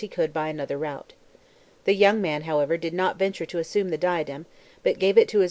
he could by another route. The young man, however, did not venture to assume the diadem, but gave it to his.